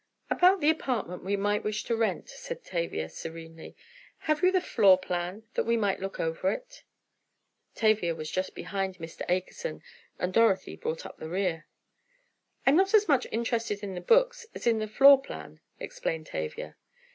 "About the apartment we might wish to rent," said Tavia, serenely, "have you the floor plan, that we might look over it?" Tavia was just behind Mr. Akerson, and Dorothy brought up the rear. "I'm not as much interested in the books as in the floor plan," explained Tavia.